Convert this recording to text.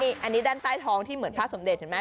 อันนี้ด้านใต้ท้องที่เหมือนพระสมเด็จเห็นไหม